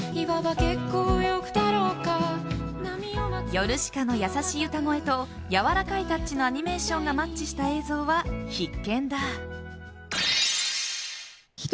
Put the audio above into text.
ヨルシカの優しい歌声とやわらかいタッチのアニメーションがマッチした映像は必見だ。